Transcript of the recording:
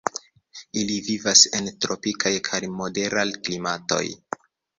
Ili vivas en tropika kaj modera klimatoj.